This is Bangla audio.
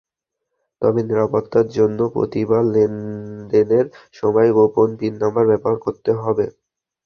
তবে নিরাপত্তার জন্য প্রতিবার লেনদেনের সময় গোপন পিন নম্বর ব্যবহার করতে হবে।